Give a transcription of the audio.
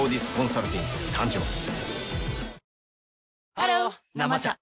ハロー「生茶」